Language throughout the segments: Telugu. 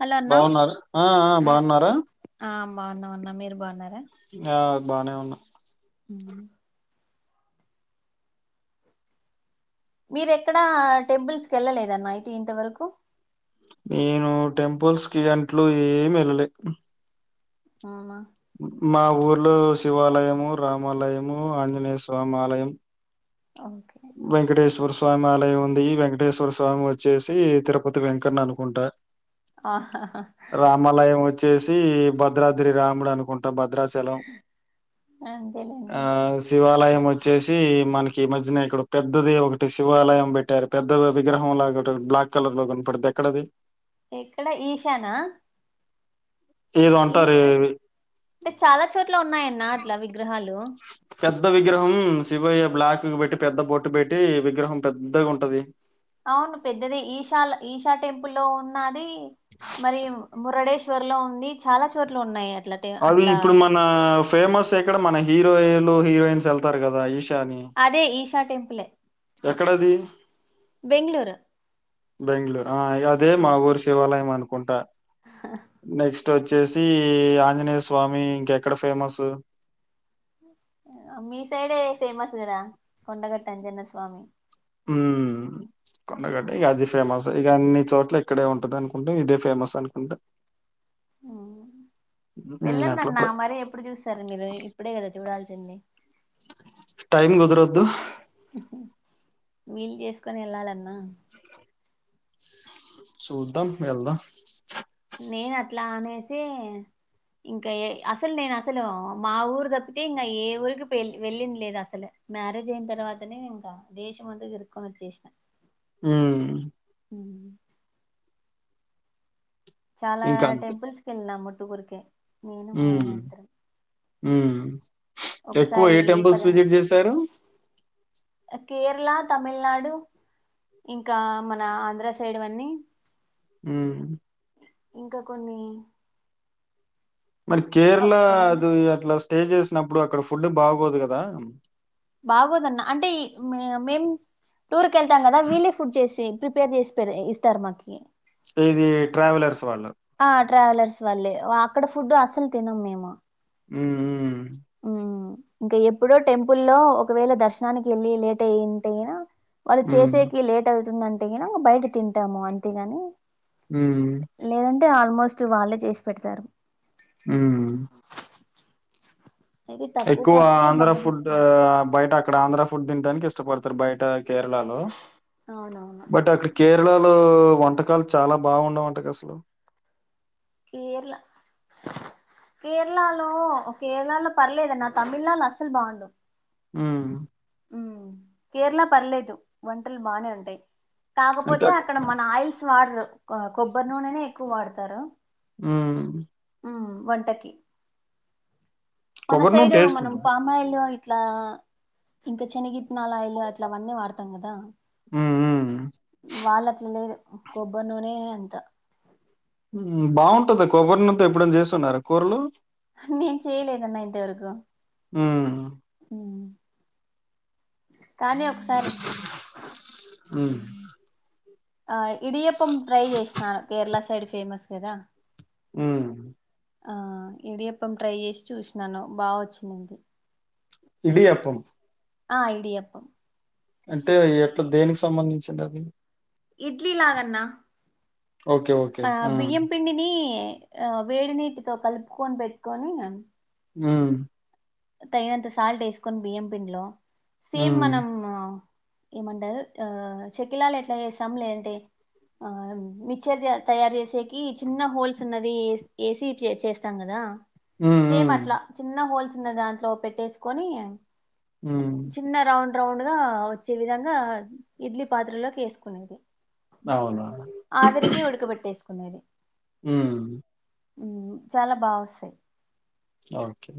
హలో అన్నా బాగున్నారు. ఆ ఆ బాగున్నారా? బాగున్నం అన్నా. మీరు బాగున్నారా? ఆ బానే ఉన్నాం [inaudible] మీర ఎక్కడా టెంపుల్స్ కి వెళ్ళలేదన్నా అయితే ఇంతవరకు నేను టెంపుల్స్ కి అట్లు ఏమి వెళ్ళలే అవునా మా ఊర్లో శివాలయము, రామాలయము, ఆంజనేయ స్వామాలయం. ఓకే వెంకటేశ్వర స్వామి స్వామి ఆలయం ఉంది వెంకటేశ్వర స్వామి వచ్చేసి తిరుపతి వెంకన్న అనుకుంటా ఆ హా హా రామాలయం వచ్చేసి భద్రాద్రి రాముడు అనుకుంటా భద్రాచలం అంతేలేండి ఆ శివాలయం వచ్చేసి మనకి ఈ మధ్యనే ఇక్కడ పెద్దది ఒకటి శివాలయం పెట్టారు పెద్ద విగ్రహంలాగా బ్లాక్ కలర్లో కనపడ్డది ఎక్కడది ఎక్కడ ఈశానా ఏదో ఈశా అంటారు అంటే చాలా చోట్ల ఉన్నాయన్న అట్లా విగ్రహాలు పెద్ద విగ్రహం శివయ్య బ్లాక్ పెట్టి పెద్ద బోటు పెట్టి విగ్రహం పెద్దగా ఉంటది అవును పెద్దది ఈశాల ఈశా టెంపుల్లో ఉన్నది మరి మురడేశ్వర్లో ఉంది చాలా చోట్లు ఉన్నాయి అట్లా టె అవి అట్లా ఇప్పుడు మన ఫేమస్ ఎక్కడ మన హీరోయిన్లు హీరోయిన్స్ ఎళ్తారు కదా ఈశ అదే ఈషా టెంపులే ఎక్కడది బెంగుళూరు బెంగుళూర్ ఆ అదే మాఊరు శివాలయం అనుకుంటా [inaudible] క్స్ట్ వచ్చేసి ఆంజనేయస్వామి ఇంకెక్కడ ఫేమసు మీసైడే ఫేమస్ గదా కొండగట్టు అంజన్నస్వామి ఉమ్మ్ కొండగట్టు ఇక అది ఫేమస్ ఇక అన్ని చోట్ల ఇక్కడే ఉంటది అనుకుంట ఇదే ఫేమస్ అనుకుంట ఉమ్మ్ ఉమ్ అట్లా వెళ్ళండన్న మరి ఎప్పుడు చూస్తారు మీరు ఇప్పుడే కదా చూడాలి సింది టైమ్ కదరోద్దు ఉహుమ్మ్ వీళ్ళు చేసుకొని వెళ్ళాలన్నా చూద్దాం ఎల్దా నేను అట్లా అనేసి ఇంకా అసలు నేను అసలు మా ఊరు తప్పితే ఇంకా ఏ ఊరికి వెళ్ వెళ్ళింది లేదు అసలు మ్యారేజ్ అయిన తర్వాతనే ఇంకా దేశం అంతా తిరుకొని వచ్చెసిన ఉమ్మ్ ఉమ్మ్ చాలా ఇంకా టెంపుల్స్‌కి ఎళ్ళినము టూర్కి ఉమ్మ్ ఉమ్మ్ ఎక్కువ ఒకసారి ఏ టెంపుల్స్ పద విజిట్ చేశారు కేరళ తమిళనాడు ఇంకా మన ఆంధ్ర సైడ్‌వి అన్నీ ఉమ్మ్ ఇంకా కొన్ని మరి కేరళ పళని అది అట్లా స్టే చేసినప్పుడు అక్కడ ఫుడ్ బాగోదు కదా బాగోదన్న అంటే మేం టూర్ కేళ్తాం కదా వీలేే ఫుడ్ చేసి ప్రిపేర్ చేస్తారు ఇస్తారు మాకి ఇది ట్రావెలర్స్ వాళ్ళ ఆ ట్రావెలర్స్ వాళ్ళే అక్కడ ఫుడ్ అసలు తినము మేము ఉమ్మ్ మ్మ్ ఇంకా ఎప్పుడో టెంపుల్లో ఒకవేళ దర్శనానికి ఎళ్ళి లేట్ అయింటే అయినా వాళ్ళు హ్మ్. హ్మ్. చేసేకి లేట్ అవుతుందంటేగిన బయట తింటాము అంతేగాని ఉమ్మ్ లేదంటే ఆల్మోస్ట్ వాళ్ళే చేసి పెడతారు హ్మ్. అయితే తక్కువ ఎక్కువ కాస్ట్ కి ఆంధ్ర బాగా ఫుడ్ తీసుకుంట బయట అక్కడ ఆంధ్ర ఫుడ్ తినాటనికి ఇష్టపడతారు బయట కేరళలో అవునవును బట్ అక్కడ కేరళలో వంటకాలు చాలా బాగుండవుంట కదా అసలు కేరళ కేరళలో కేరళలో పర్లేదన్న తమిళనాళ్ళు లో అస్సలు బాగుండవు ఆ కేరళ పర్లేదు వంటలు బాగానే ఉంటాయి అంటే కాకపోతే అక్ అక్కడ మన ఆయిల్స్ వాడరు కొబ్బరి నూననే ఎక్కువ వాడతారు అ ఉ వంటకి మన కొబ్బరి నూనె సైడ్ టేస్ట్ మనం ఉంటుంది. పామా ఆయిల్ ఇట్లా ఇంకా శనగిట్నాల ఆయిలు అట్లా అన్నీ వాడతాం కదా హ్మ్. హ్మ్. వాళ్ళట్ల లేదు కొబ్బరి నూనే అంత బాగుంటదా కొబ్బరి నూనెతో ఎప్పుడనా చేస్తున్నార కూరలు నేను చేయలేదన్న ఇంతవరకు హ్మ్. కానీ ఒకసారి ఆ ఆ ఇడియప్పం ట్రై చేసినాను కేరళ సైడ్ ఫేమస్ కదా ఆ ఆ ఇడియప్పం ట్రై చేసి చూసినాను బాగా వచ్చింది ఇడి అప్పం ఆ ఇడి అప్పం అంటే ఎట్లా దేనికి సంబంధించింది అది ఇడ్లీ లాగన్నా ఓకే ఓకే ఆ బియ్యం పిండిని ఆ వేడి నీటితో కలుపుకొని పెట్టుకొని ఉమ్ తగినంత సాల్ట్ వేసుకొని బియ్యం పిండి లో సేమ్ ఉమ్ మనం ఏమంటారు ఆ చెకిలాలు ఎట్లా చేస్తాం లేదంటే ఆ మిక్చర్ తయారు చేసేకి చిన్న హోల్స్ ఉన్నది వేసి చేస్తాం కదా ఉమ్ సేమ్ ఉమ్ అట్లా చిన్న హోల్స్ ఉన్న దాంట్లో పెట్టేసుకొని ఉమ్ చిన్న రౌండ్ రౌండ్ గా వచ్చే విధంగా ఇడ్లీ పాత్రలోకి వేసుకునేది అవునా ఆవిరికి ఉడకబెట్టేసుకునేది ఉమ్ చాలా బాగా వస్తాయి ఓకే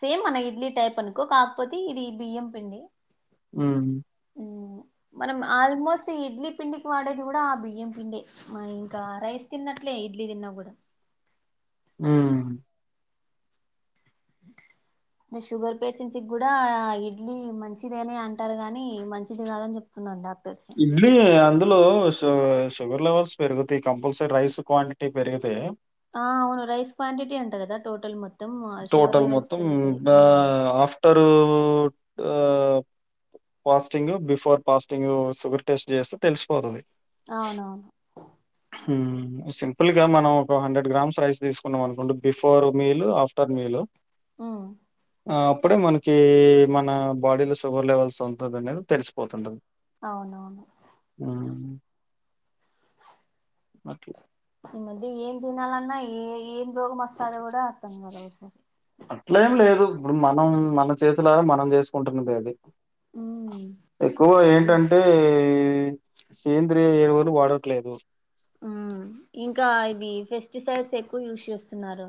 సేమ్ అన్న ఇడ్లీ టైప్ అనుకో కాకపోతే ఇది బియ్యం పిండి ఆ ఉమ్, మనం ఆల్మోస్ట్ ఇడ్లీ పిండికి వాడేది కూడా ఆ బియ్యం పిండి ఆ ఇంకా రైస్ తిన్నట్లే ఇడ్లీ తిన్నా కూడా ఆ [inaudible] షుగర్ పేషెంట్స్ కూడా ఇడ్లీ మంచిదేనే అంటారు గాని మంచిది కాదని చెప్తున్నాను ఇడ్లీ అందులో షుగర్ లెవెల్స్ పెరుగుతాయి కంపల్సరీ రైస్ క్వాంటిటీ పెరుగుతే ఆ అవును రైస్ క్వాంటిటీ ఉంటది కదా టోటల్ షుగర్ టోటల్ లెవెల్స్ మొత్తం పెరుగుతాయి ఆ ఉమ్, ఆఫ్టరు ఆ fasting before fasting sugar test చేస్తే తెలిసిపోతది అవునవును సింపుల్గా మనం ఒక హండ్రెడ్ గ్రామ్స్ రైస్ తీసుకున్నాం అనుకుండి బిఫోర్ మీల్ ఆఫ్టర్ మీల్ మ్మ్ ఆహ్, అప్పుడే మనకీ మన బాడీ లో షుగర్ లెవెల్స్ ఉంటది అనేది తెలిసిపోతుంటది అవునవును మకి ఈ మధ్య ఏం తినాలన్నా ఏ ఏం రోగం వస్తదో కూడా అర్థం కాదు ఒకసారి అట్లే ఏం లేదు ఇప్పుడు మనం మన చేతులార మనం చేసుకుంటున్నదే అది ఎక్కువ అం ఏంటంటే ఎ సేంద్రియ ఎరువులు వాడట్లేదు మ్ ఇంకా ఇవి పెస్టిసైడ్స్ ఎక్కువ యూజ్ చేస్తున్నారు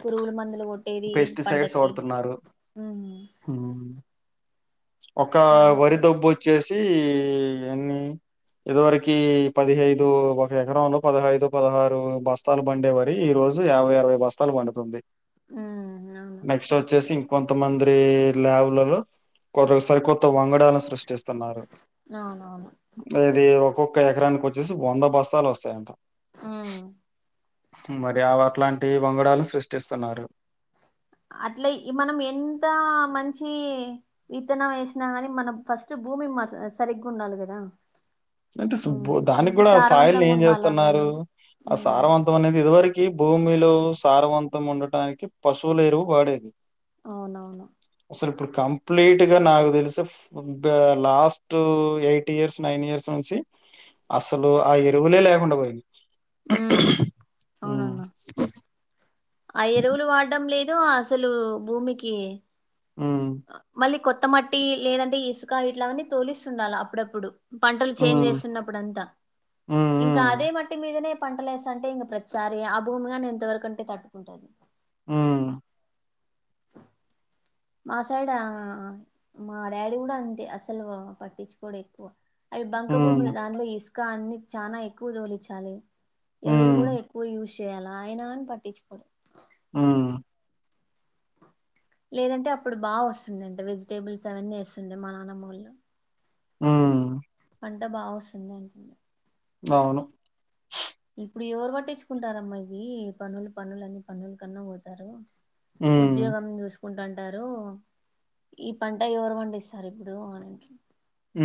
పురుగుల మంది కొట్టేది పెస్టిసైడ్స్ పంటకి వాడుతున్నారు. మ్ హ్మ్. ఒక వరిదబ్బు వచ్చేసీ ఎన్ని ఇదివరకి పదిహైదు ఒక ఎకరంలో పదహైదు పదహారు బస్తాలు పండేవరి ఈ రోజు యాభై అరవై బస్తాలు పండుతుంది ఉమ్ అవును నెక్స్ట్ వచ్చేసి కొంతమంది ల్యాబులలో కొ సరికొత్త వంగ డాలు సృష్టిస్తున్నారు అవునవును అంటే ఇది ఒక్కో ఒక ఎకరానికి వచ్చేసి వంద బస్తాలు వస్తాయంట ఆ మరి అవి అట్లాంటి వంగడాలు సృష్టిస్తున్నారు అట్లే మనం ఎంత మంచి విత్తనం వేసినా కాని మనం ఫస్ట్ భూమి మ సరిగ్గా ఉండాలి కదా అంటే సుబు ఉమ్ దానికి మంచి కూడా ఆ సొయిల్ని సారవంతంగా ఏం ఉండాలా చేస్తున్నారు భూమి ఆ ఉమ్ సారంవంతం అనేది ఇదివర కి భూమిలో సారవంతం ఉండటానికి పశువుల ఎరువు వాడేది అవునవును అసలు ఇప్పుడు కంప్లీట్గా నాకు తెలిసి వద్దుగ last eight years nine years నుంచి అసలు ఆ ఎరువులే లేకుండా పోయింది ఉమ్ హ్మ్. అవునన్నా ఆ ఎరువులు వాడ్డం లేదు లు అసలు భూమికి హ్మ్. మళ్ళీ కొత్తమట్టి లేదంటే ఇసుక ఇట్ల అవన్నీ తోలిస్తుండాల అప్పుడప్పుడు పంటలు చేంజ్ హ్మ్. చేస్తున్నప్పుడు అంతా హ్మ్. ఇంకా హ్మ్. అదే మట్టి మీదనే పంటలు ఎస్తంటే ఇంక ప్రతిసారీ ఆ భూమిగాని ఎంతవరకు అంటే తట్టుకుంటది మ్మ్ మా సైడా మా డాడీ కూడా అంతే అసలు పట్టించుకోడు ఎక్కువ అవి బంక హ్మ్. భూములు దానిలో ఇసుకా అన్ని చాలా ఎక్కువ తోలిచ్చాలి ఎరువులు హ్మ్. కూడా ఎక్కువ యూజ్ చేయాల అయినా గాని పట్టించుకోడు హ్మ్మ్ లేదంటే అప్పుడు బాగా వస్తుంది అంట వెజిటేబుల్స్ అవన్నీ వేస్తుండే మా నానమ్మోళ్ళు హ్మ్ పంట బా వస్తుంది అంటుంది అవును ఇప్పుడు ఎవరు పట్టించుకుంటారమ్మా ఇవి పన్లు పన్లు అన్ని పనులు కన్నా పోతారు హ్మ్. ఉద్యోగం చూస్ కుంటఉంటారు ఈ పంట ఎవరు పండిస్తారు ఇప్పుడు అని ఉ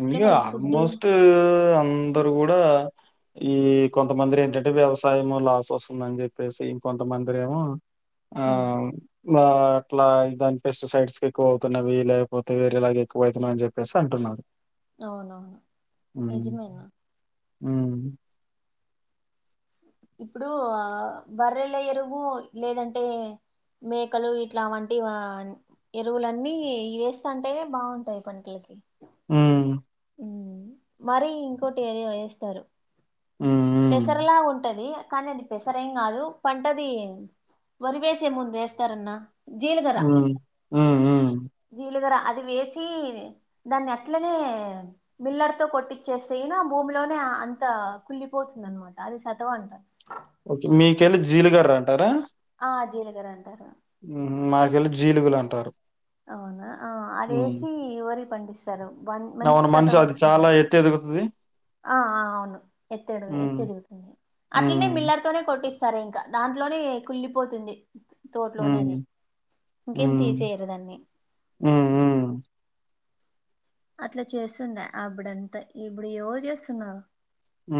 ఉంది గా వాళ్ళ ఫుడ్ ఆల్మోస్ట్ అందరు కూడా ఈ కొంతమంది రే ఏంటంటే వ్యవసాయం లాస్ వస్తుందని చెప్పేసి ఇంకొంతమందిరేమో ఆ అవును అట్లా దాని పెస్టిసైడ్స్ ఎక్కువ అవుతున్నవి లేకపోతే వేరే ఇలాగ ఎక్కువ అవుతున్నావి అని చెప్పేసి అంటున్నారు అవునవును నిజమే అ ఇప్పుడు ఆ బర్రెల ఎరువు లేదంటే మేకలు ఇట్లా వంటి ఎరువులన్నీ వేస్తంటే బాగుంటాయి పంటలకి ఆ మరీ ఇంకోటి ఏది వేస్తారు హ్మ్. హ్మ్. పెసరలా ఉంటది కానీ అది పెసరెం ఏం కాదు పంటది వరి వేసే ముందు వేస్తారన్న జీలగర హ్మ్. హ్మ్. హ్మ్. జీలగర ఆ అది వేసి దాన్ని అట్లనే మిల్లర్ తో కొట్టిచ్చేస్తే అయి ఆ భూమిలోనే అంత కుల్లిపోతుంది అన్నమాట అది సతవ అంటారు ఓకే మీకెళ్ళ జీలుగార అంటారా ఆ జీలుగర అంటం మాకెల్లి జీలుగులు అంటారు అవునా ఆ అది వేసి వరి పండిస్తారు బన్ మంచి అవును మనిషి సతవ అది వస్తుంది చాలా ఎత్తు ఎదుగుతది ఆ ఆ అవును ఎత్తు హ్మ్. ఎదుగుతది అట్లనే హ్మ్. మిల్లర్తోనే కొట్స్త సరే ఇంకా దాంట్లోనే కుళ్ళిపోతుంది తోటలోనేది హ్మ్. ఇంకేం హ్మ్. తీసేయరు దాన్ని హ్మ్. హ్మ్. అట్లా చేస్తుండే అప్పుడంతా ఇప్పుడు ఎవరు చేస్తున్నారు ఆ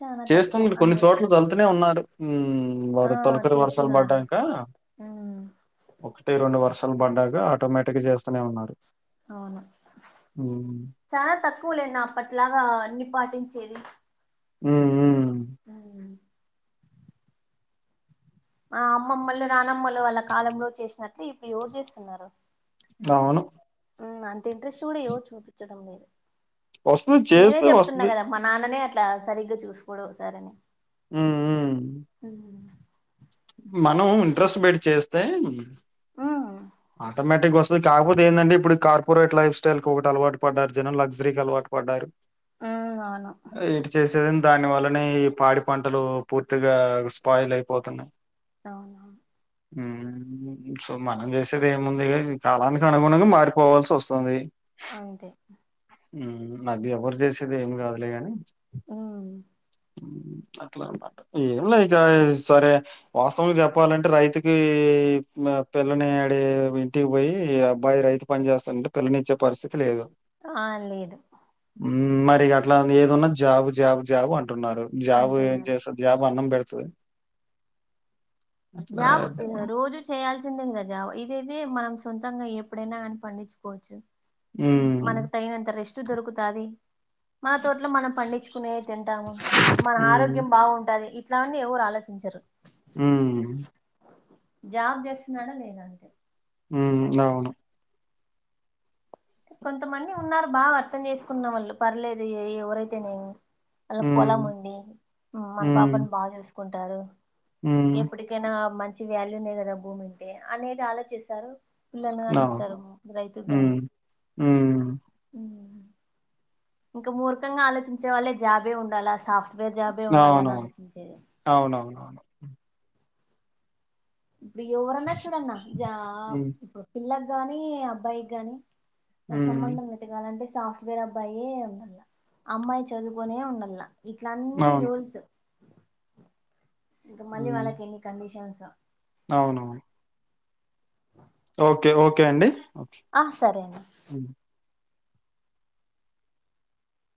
చాలా తక్కువ చేస్తుంనారు కొన్ని అన్నిట్లో చోట్ల చల్తూనే ఉన్నారు ఉమ్ ఆ వారు తొలకరి వర్షాలు చేస్తున్నారండి పడ్డాక ఉమ్ ఒకటి రెండు వర్షాలు పడ్డాక ఆటోమేటిక్గా చేస్తూనే ఉన్నారు అవును హ్మ్. చాలా తక్కువలేని అప్పట్లాగా అన్ని పాటించి చేది ఉ ఉ మా అమ్మమ్మలు నానమ్మలు ఆళ్ళ కాలంలో చేసినట్లు ఇప్పుడు ఎవరు చేస్తున్నారు అవును ఆ అంత ఇంట్రెస్ట్ కూడా ఎవరు చూపించడం లేదు వస్తది నేనే చేస్తే చెప్తున్నా వస్తది. కదా మా నాన్ననే అట్లా సరిగ్గా చూసుకోడు ఒకసారని హ్మ్. హ్మ్. మ్మ్ మనం ఇంట్రెస్ట్ బెట్టి చేస్తే ఉమ్ ఆటోమేటిక్గా వస్తుంది కాకపోతే ఏంటడి ఇప్పుడు కార్పొరేట్ లైఫ్ స్టైల్కి ఒకటి అలవాటు పడ్డరు జనం లగ్జరీ కి అల పడ్డారు ఉమ్ అవును ఇటు చేసేద దాని వల్లనే ఈ పాడి పంటలు పూర్తిగా స్పాయిల్ అయిపోతున్నాయి అవును ఉమ్ సో మనం చేసేది ఏముంది ఈ కాలానికి అనుగుణంగా మారిపోవల్సి వస్తుంది అంతే మ్మ్ అది ఎవరు చేసేది ఏమి కాదులే కాని ఉమ్ అట్లా అన్నమాట ఏం లే ఇక సరే వాస్తవంగా చెప్పాలంటే రైతుకి ఇ మ పెన్ పిల్లని ఆడే ఇంటికిబొయ్యి ఈ అబ్బాయి రైతు పని జేస్తడంటే పిల్లనిచ్చే పరిస్థితి లేదు ఆ లేదు మరి గట్లా ఏదున్న జాబు జాబు జాబు అంటున్నారు జాబు ఏం అంటున్నారు జెస్తార్ జాబు అన్నం బెడు తద జబు అ రోజు చేయాల్సి సిందే ఇంగ జాబు ఇదైతే మనం సొంతంగా ఎప్పుడైనా గానీ పండిచ్చుకోచ్చు ఉ ఉమ్ మనకు తగినంత రెస్టు దొరుకుతాది మన తోట్లో మనం పండిచ్చుకునే తింటాము మన ఉమ్ ఆరోగ్యం బాగుంటది ఇ ఇట్లా అని ఎవ్వరు ఆలోచించరు ఊ జాబ్ జెస్తున్నాడా లేద అంతే ఊ అవును కొంతమంది ఉన్నారు బాగా అర్థం చేసుకున్నవళ్ళు పర్లేదు ఎ ఎవరైతెనేమి అల్లకు పొలం ఉమ్ ఉంది మన ఉమ్ పాపను బాగ్ జూసుకుంటారు ఉమ్ ఎప్పడికైనా మంచి వ్యాల్యూ నే గదా భూముంటే అనేది ఆలోచిస్తారు పిల్లలను గాని ఇస్తారు రైతుగ్గాని ఊ ఇంక మూర్ఖంగా ఆలోచించే వాళ్ళే జాబే ఉండాల సాఫ్ట్ వేర్ జాబే ఉండల్ల అనిఆలోచించేది ఉ ఇప్పుడు ఎవరన్నా చూడన్న జా ఉమ్ ఇప్పుడు పిల్లగ్గాని అబ్బాయిగ్గాని నా ఉమ్ సంబంధం వెతగాలంటే సాఫ్ట్ వేర్ అబ్బాయే ఉండల్ల అమ్మాయి చదువుకునే ఉండాల్ల ఇట్లన్నీ అవును రూల్సు ఇంక మళ్లి ఉమ్ వాళ్ళకి ఎన్ని కండిషన్సో అవునవును ఓకే ఓకే అండి ఆ సరే అండి ఓకే